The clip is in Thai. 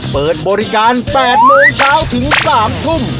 เปิดบริการ๘โมงเช้าถึง๓ทุ่ม